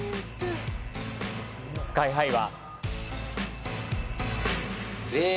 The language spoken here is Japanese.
ＳＫＹ−ＨＩは。